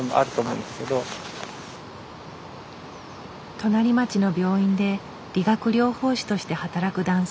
隣町の病院で理学療法士として働く男性。